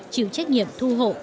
chịu trách nhiệm thu hộ